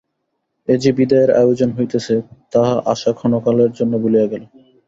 এ যে বিদায়ের আয়োজন হইতেছে, তাহা আশা ক্ষণকালের জন্য ভুলিয়া গেল।